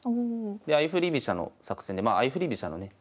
相振り飛車の作戦でまあ相振り飛車のね